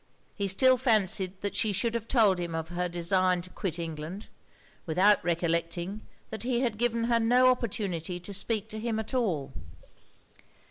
He still fancied that she should have told him of her design to quit England, without recollecting that he had given her no opportunity to speak to him at all.